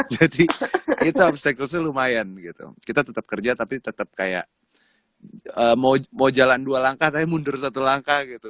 jadi itu obstaclesnya lumayan gitu kita tetap kerja tapi tetap kayak mau jalan dua langkah tapi mundur satu langkah gitu